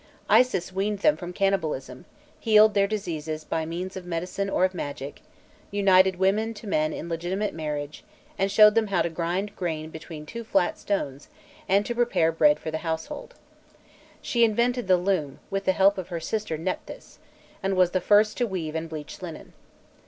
Isis weaned them from cannibalism, healed their diseases by means of medicine or of magic, united women to men in legitimate marriage, and showed them how to grind grain between two flat stones and to prepare bread for the household. She invented the loom with the help of her sister Nephthys, and was the first to weave and bleach linen.